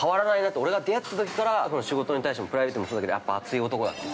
俺が出会ったときから仕事に対してもプライベートもそうだけどやっぱ熱い男だと。